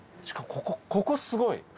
しかもここここすごい！